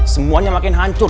semuanya makin hancur